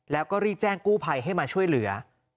แล้วก็รีบแจ้งกู้ภัยให้มาช่วยเหลือ